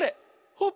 ほっ！